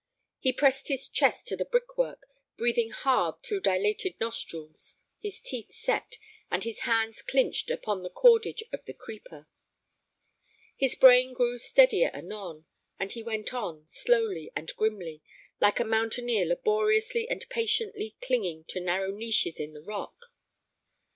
He pressed his chest to the brickwork, breathing hard through dilated nostrils, his teeth set, and his hands clinched upon the cordage of the creeper. His brain grew steadier anon, and he went on, slowly and grimly, like a mountaineer laboriously and patiently clinging to narrow niches in the rock.